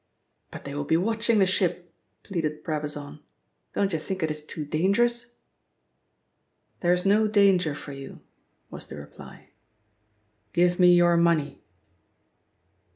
"But they will be watching the ship," pleaded Brabazon. "Don't you think it is too dangerous?" "There is no danger for you," was the reply. "Give me your money."